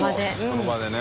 その場でね。